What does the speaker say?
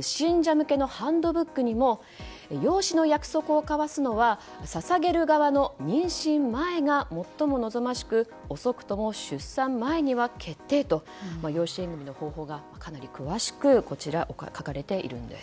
信者向けのハンドブックにも養子の約束を交わすのは捧げる側の妊娠前が最も望ましく遅くとも出産前には決定と養子縁組の方法がかなり詳しく書かれているんです。